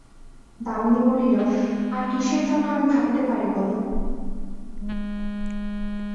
দামিনী বলিল, আর কিসের জন্য আমি ভাবিতে পারি বলো।